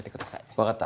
わかった。